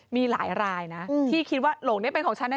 มีหลายรายนะที่คิดว่าโหลงนี้เป็นของฉันแน่